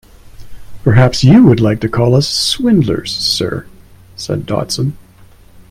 ‘Perhaps you would like to call us swindlers, sir,’ said Dodson.